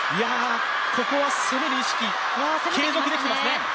ここは攻める意識、継続できてますね。